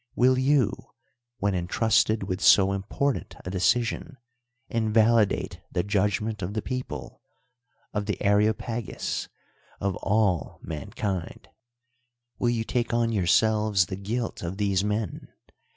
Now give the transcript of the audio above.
Will you, when intrusted with so important a decision, invalidate the judsrment of the ])eople, of ihe Areopagus, of all mankind? Will you take on yourselves the guilt of these men?